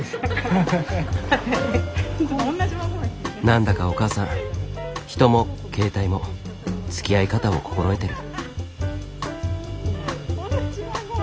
何だかお母さん人も携帯もつきあい方を心得てる。